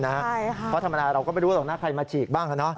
เพราะธรรมดาเราก็ไม่รู้หรอกนะใครมาฉีกบ้าง